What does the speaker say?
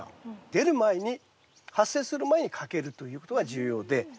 出る前に発生する前にかけるということが重要で。